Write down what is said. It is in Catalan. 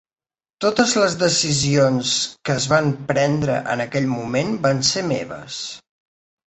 Totes les decisions que es van prendre en aquell moment van ser meves.